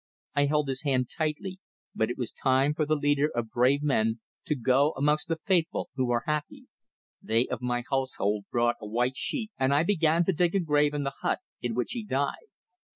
I held his hand tightly, but it was time for the leader of brave men to go amongst the Faithful who are happy. They of my household brought a white sheet, and I began to dig a grave in the hut in which he died.